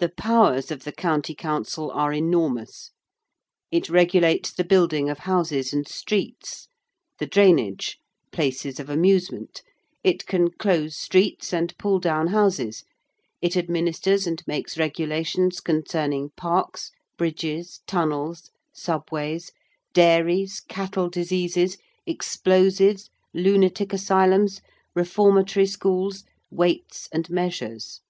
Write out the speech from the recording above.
The powers of the County Council are enormous. It regulates the building of houses and streets: the drainage: places of amusement: it can close streets and pull down houses: it administers and makes regulations concerning parks, bridges, tunnels, subways, dairies, cattle diseases, explosives, lunatic asylums, reformatory schools, weights and measures.